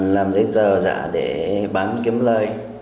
làm giấy tờ giả để bán kiếm lợi